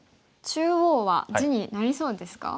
中央は地になりそうですか？